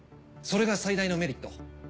それが最大のメリット